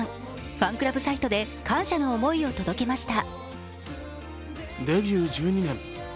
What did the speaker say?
ファンクラブサイトで感謝の思いを届けました。